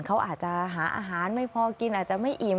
เขาอาจจะหาอาหารไม่พอกินอาจจะไม่อิ่ม